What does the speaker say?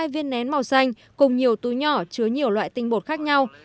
một mươi hai viên nén màu xanh cùng nhiều túi nhỏ chứa nhiều loại tinh bột khác nhau